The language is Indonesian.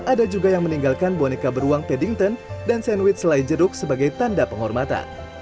ada juga yang meninggalkan boneka beruang paddington dan sandwich selai jeruk sebagai tanda penghormatan